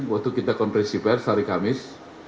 waktu kita conference shippers hari kamis